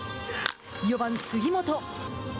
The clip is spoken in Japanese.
４番杉本。